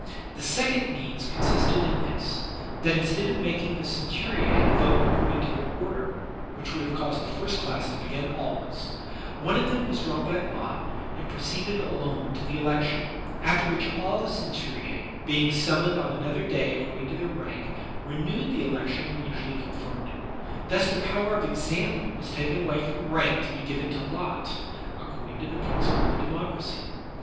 The second means consisted in this, that instead of making the centuricB vote according to their order, which would have caused the first class to begin always, one of them* was drawn by lot and proceeded alone to the election; after which all the centurice^ being summoned on another day according to their rank, renewed the election and usually confirmed it. Thus the power of example was taken away from rank to be given to lot, according to the principle of democracy.